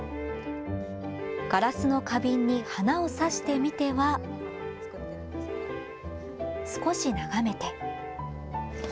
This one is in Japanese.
ガラスの花瓶に花を挿してみては少し眺めて。